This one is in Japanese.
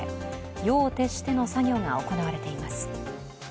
夜を徹しての作業が行われています。